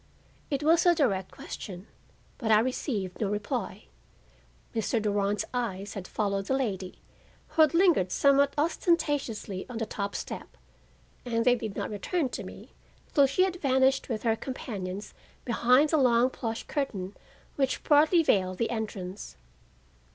It was a direct question, but I received no reply. Mr. Durand's eyes had followed the lady, who had lingered somewhat ostentatiously on the top step and they did not return to me till she had vanished with her companions behind the long plush curtain which partly veiled the entrance.